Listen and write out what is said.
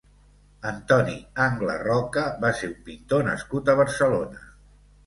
Antoni Angle Roca va ser un pintor nascut a Barcelona.